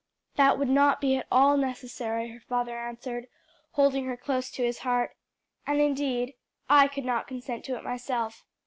"That would not be at all necessary," her father answered, holding her close to his heart. "And indeed I could not consent to it myself.